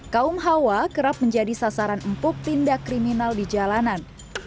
kaum hawa kerap menjadi sasaran empuk tindak kriminal di jalanan